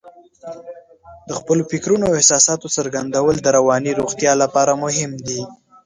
د خپلو فکرونو او احساساتو څرګندول د رواني روغتیا لپاره مهم دي.